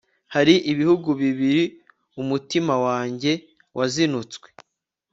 hari ibihugu bibiri umutima wanjye wazinutswe